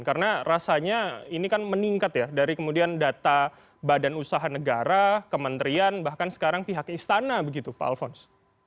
karena rasanya ini kan meningkat ya dari kemudian data badan usaha negara kementerian bahkan sekarang pihak istana begitu pak alfons